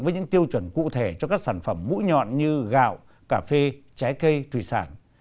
với những tiêu chuẩn cụ thể cho các sản phẩm mũi nhọn như gạo cà phê trái cây thủy sản